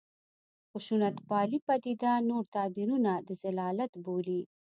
خشونتپالې پدیده نور تعبیرونه د ضلالت بولي.